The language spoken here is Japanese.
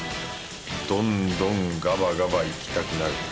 ドンドンガバガバいきたくなる。